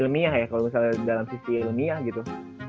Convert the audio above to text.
ilmiah ya kalau misalnya dalam sisi ilmiah gitu